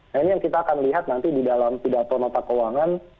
nah ini yang kita akan lihat nanti di dalam pidato nota keuangan